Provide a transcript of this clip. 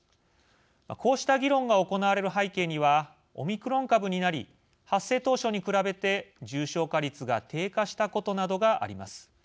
こうした議論が行われる背景にはオミクロン株になり発生当初に比べて重症化率が低下したことなどがあります。